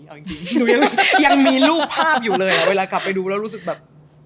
เอาจริงหนูยังมีรูปภาพอยู่เลยเวลากลับไปดูแล้วรู้สึกแบบ